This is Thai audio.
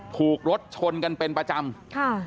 ถูกรถชนกันเป็นประจำค่ะ